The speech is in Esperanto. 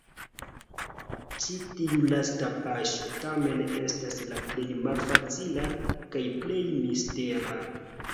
Ĉi tiu lasta paŝo, tamen, estas la plej malfacila kaj plej mistera.